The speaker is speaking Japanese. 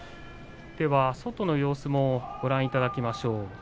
外の様子もご覧いただきましょう。